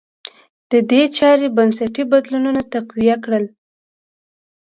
دې چارې بنسټي بدلونونه تقویه کړل.